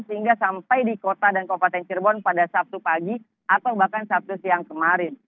sehingga sampai di kota dan kabupaten cirebon pada sabtu pagi atau bahkan sabtu siang kemarin